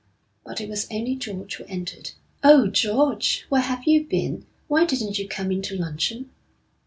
But it was only George who entered. 'Oh, George, where have you been? Why didn't you come in to luncheon?'